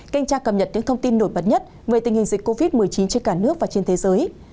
kênh tra cập nhật những thông tin nổi bật nhất về tình hình dịch covid một mươi chín trên cả nước và trên thế giới